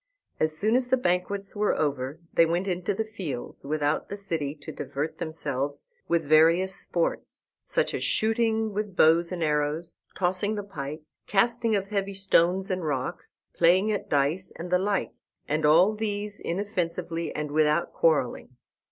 As soon as the banquets were over they went into the fields without the city to divert themselves with various sports, such as shooting with bows and arrows, tossing the pike, casting of heavy stones and rocks, playing at dice, and the like, and all these inoffensively, and without quarrelling.